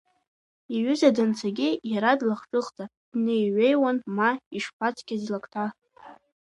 Иҩыза данцагьы, иара длахҿыхӡа, днеи-ҩеиуан, ма ишԥацқьаз илакҭа!